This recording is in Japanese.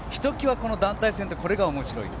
この団体戦ってこれが面白い。